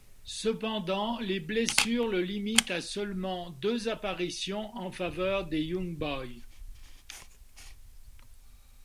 Cependant, les blessures le limitent à seulement deux apparitions en faveur des Young Boys.